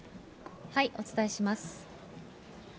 お伝えします。